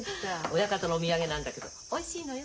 親方のお土産なんだけどおいしいのよ。